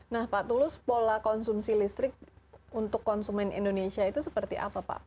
nah pak tulus pola konsumsi listrik untuk konsumen indonesia itu seperti apa pak